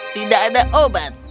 tidak ada obat